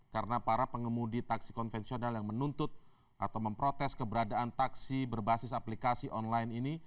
karena para pengemudi taksi konvensional yang menuntut atau memprotes keberadaan taksi berbasis aplikasi online ini